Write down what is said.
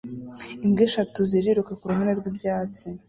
Imbwa eshatu ziriruka kuruhande rwibyatsi